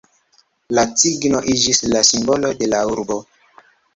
La cigno iĝis la simbolo de la urbo.